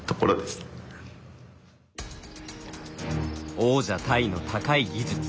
王者タイの高い技術。